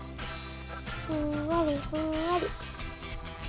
ふんわりふんわり。